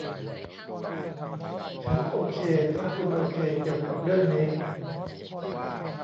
ฉันโอเคถ้าคุณโอเคเกี่ยวกับเรื่องนี้